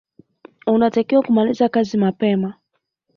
Unatakiwa kumaliza kazi mapema.